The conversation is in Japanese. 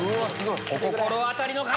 お心当たりの方！